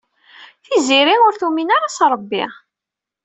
Tiziri ur tumin ara s Ṛebbi.